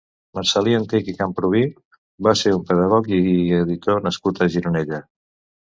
Marcel·lí Antich i Camprubí va ser un pedagog i editor nascut a Gironella.